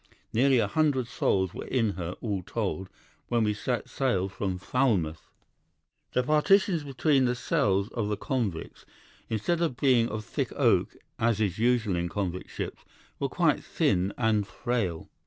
Nearly a hundred souls were in her, all told, when we set sail from Falmouth. "'The partitions between the cells of the convicts, instead of being of thick oak, as is usual in convict ships, were quite thin and frail.